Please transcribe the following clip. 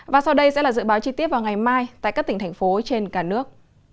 và sau đây sẽ là dự báo chi tiết vào ngày mai tại các tỉnh thành phố trên cả nước